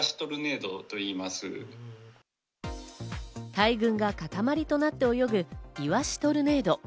大群が塊となって泳ぐイワシトルネード。